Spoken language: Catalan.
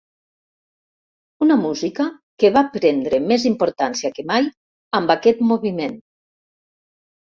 Una música que va prendre més importància que mai amb aquest moviment.